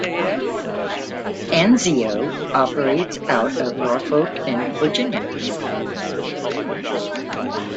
"Anzio" operates out of Norfolk in Virginia.